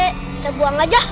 kita buang aja